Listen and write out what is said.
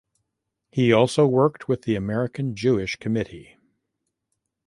He also worked with the American Jewish Committee.